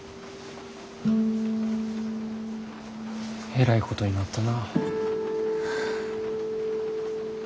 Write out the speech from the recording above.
えらいことになったな。